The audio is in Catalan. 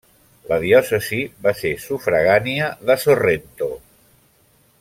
La diòcesi va ser sufragània de Sorrento.